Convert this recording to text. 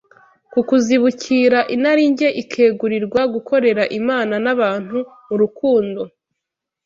ku kuzibukira inarinjye ikegurirwa gukorera Imana n’abantu mu rukundo.